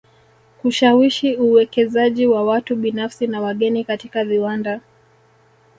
Kushawishi uwekezaji wa watu binafsi na wageni katika viwanda